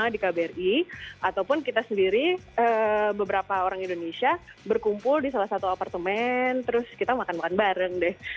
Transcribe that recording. di kbri ataupun kita sendiri beberapa orang indonesia berkumpul di salah satu apartemen terus kita makan makan bareng deh